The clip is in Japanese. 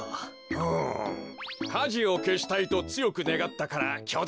ふむかじをけしたいとつよくねがったからきょだ